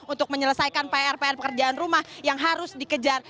untuk menyelesaikan pr pr pekerjaan rumah yang harus dikejar